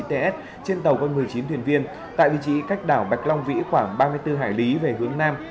trên tàu có một mươi chín thuyền viên tại vị trí cách đảo bạch long vĩ khoảng ba mươi bốn hải lý về hướng nam